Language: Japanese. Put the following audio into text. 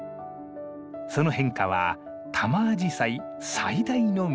その変化はタマアジサイ最大の魅力です。